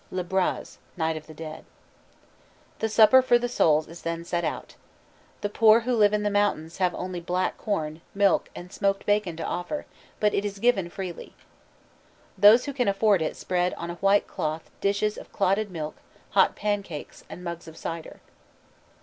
LE BRAZ: Night of the Dead. The supper for the souls is then set out. The poor who live in the mountains have only black corn, milk, and smoked bacon to offer, but it is given freely. Those who can afford it spread on a white cloth dishes of clotted milk, hot pancakes, and mugs of cider.